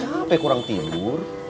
capek kurang tidur